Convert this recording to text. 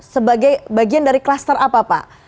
sebagai bagian dari kluster apa pak